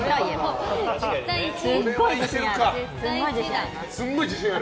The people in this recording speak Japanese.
すごい自信ある。